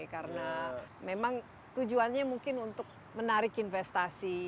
karena memang tujuannya mungkin untuk menarik investasi